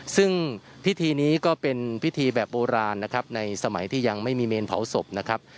ซึ่งพิธีนี้ก็เป็นพิธีแบบโบราณนะครับในสมัยที่ยังไม่มีเมนเผาศพนะครับ